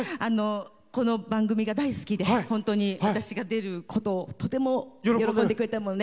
この番組が大好きで本当に私が出ることを喜んでくれてるんで。